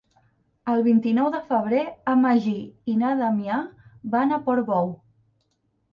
El vint-i-nou de febrer en Magí i na Damià van a Portbou.